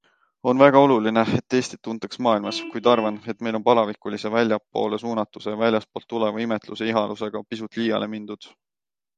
On väga oluline, et Eestit tuntaks maailmas, kuid arvan, et meil on palavikulise väljapoole suunatuse ja väljastpoolt tuleva imetluse ihalusega pisut liiale mindud.